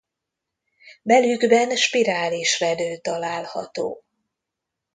Belükben spirális redő található.